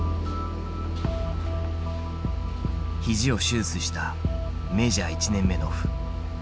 肘を手術したメジャー１年目のオフ。